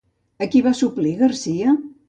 A qui va suplir García?